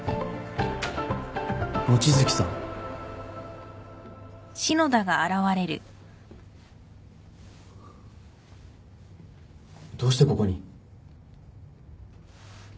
・望月さん？どうしてここに？